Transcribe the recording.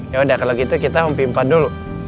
ya udah kalau gitu kita ompi empat dulu